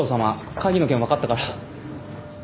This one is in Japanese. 会議の件分かったから。